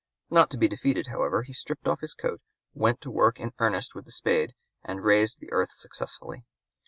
Not to be defeated, however, he stripped off his coat, went to work in earnest with the spade and raised the earth successfully.